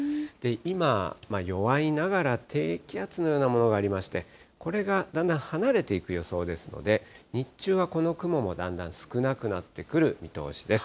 今、弱いながら低気圧のようなものがありまして、これがだんだん離れていく予想ですので、日中はこの雲もだんだん少なくなってくる見通しです。